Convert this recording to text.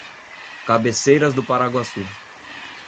Cabaceiras do Paraguaçu